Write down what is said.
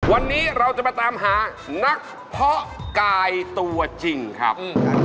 วันนี้เราจะมาตามหานักเพาะกายตัวจริงครับ